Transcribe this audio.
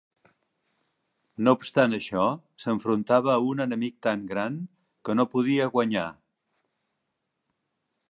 No obstant això, s'enfrontava a un enemic tan gran que no podia guanyar.